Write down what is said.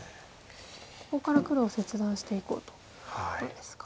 ここから黒を切断していこうということですか。